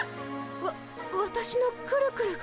わわたしのくるくるが。